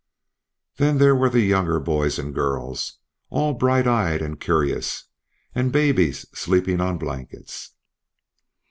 Then there were younger boys and girls, all bright eyed and curious; and babies sleeping on blankets.